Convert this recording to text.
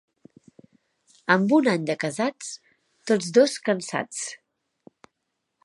Amb un any de casats, tots dos cansats.